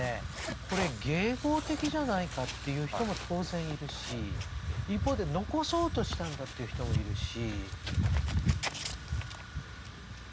これ迎合的じゃないかって言う人も当然いるし一方で残そうとしたんだと言う人もいるし。